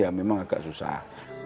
ya memang agak susah